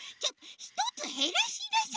ひとつへらしなさいよ！